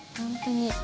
本当に。